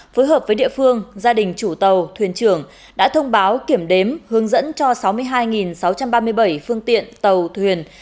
phối hợp với địa phương gia đình chủ tàu thuyền trưởng đã thông báo kiểm đếm hướng dẫn cho sáu mươi hai sáu trăm ba mươi bảy phương tiện tàu thuyền